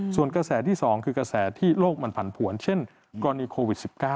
ส่วนกระแสที่๒คือกระแสที่โลกมันผันผวนเช่นกรณีโควิด๑๙